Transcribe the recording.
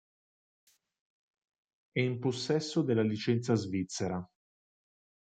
È in possesso della licenza svizzera.